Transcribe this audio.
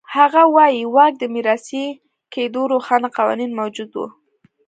هغه وایي واک د میراثي کېدو روښانه قوانین موجود و.